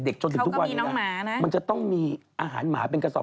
เขาก็มีน้องหมานะมันจะต้องมีอาหารหมาเป็นกระสอบ